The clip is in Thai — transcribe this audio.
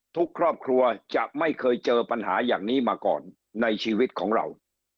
ทุกครอบครัวจะไม่เคยเจอปัญหาอย่างนี้มาก่อนในชีวิตของเรา